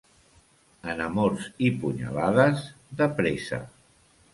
En amors i punyalades, de pressa.